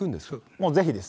もうぜひです。